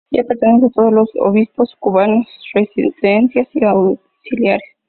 A ella pertenecen todos los obispos cubanos, residenciales y auxiliares.